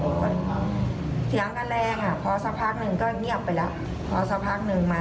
ก็ได้ยินเสียงทะเลาะโวยวายหรืออะไรไหม